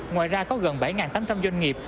ngoài ra có gần bảy tám trăm linh doanh nghiệp